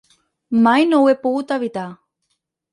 Mai no ho he pogut evitar.